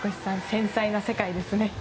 繊細な世界ですね。